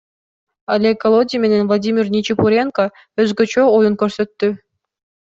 Олег Колодий менен Владимир Ничипуренко өзгөчө оюн көрсөттү.